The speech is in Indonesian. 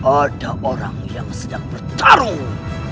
ada orang yang sedang bertarung